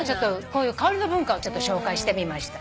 こういう香りの文化を紹介してみました。